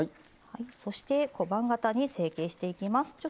そして小判形に成形していきます。